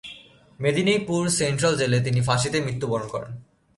Medinipur central জেলে তিনি ফাঁসিতে মৃত্যুবরণ করেন।